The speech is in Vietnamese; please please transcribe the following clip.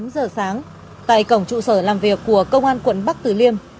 tám giờ sáng tại cổng trụ sở làm việc của công an quận bắc tử liêm